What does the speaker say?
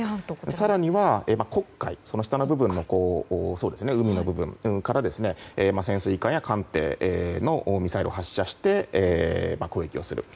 更には黒海、下の部分の海の部分から、潜水艦や艦艇のミサイルを発射して攻撃をすると。